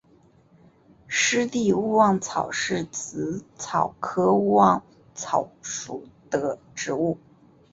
湿地勿忘草是紫草科勿忘草属的植物。